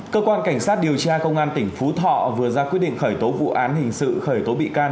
cơ quan cảnh sát điều tra công an tỉnh phú thọ vừa ra quyết định khởi tố vụ án hình sự khởi tố bị can